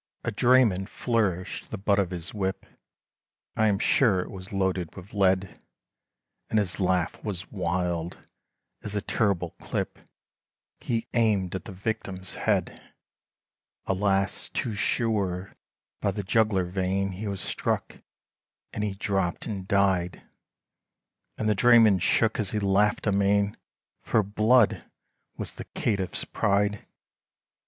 A drayman flourished the butt of his whip, I am sure it was loaded with lead, And his laugh was wild, as a terrible clip, He aimed at the victim's head! Alas! too sure, by the jugular vein, He was struck, and he dropped and died, And the drayman shook, as he laughed amain, For blood was the caitiff's pride!